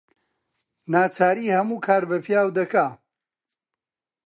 ناچاری هەموو کار بە پیاو دەکا